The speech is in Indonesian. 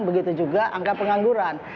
begitu juga angka pengangguran